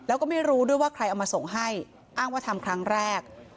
แล้วก็ไม่รู้ด้วยว่าใครเอามาส่งให้อ้างว่าทำครั้งแรก